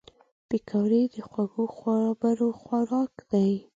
پکورې د خوږو خبرو خوراک دي